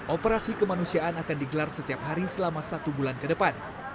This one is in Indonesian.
operasi kemanusiaan akan digelar setiap hari selama satu bulan ke depan